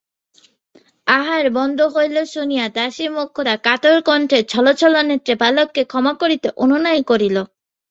আহার বন্ধ হইল শুনিয়া দাসী মোক্ষদা কাতরকণ্ঠে ছলছলনেত্রে বালককে ক্ষমা করিতে অনুনয় করিল।